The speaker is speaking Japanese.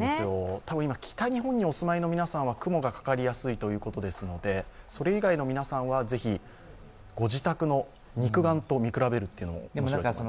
多分北日本にお住まいの皆さんは雲がかかりやすいということなのでそれ以外の皆さんは、ぜひご自宅の肉眼と見比べるというのも面白いと思います。